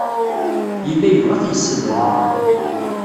Yella yebɣa ad t-yessedrem.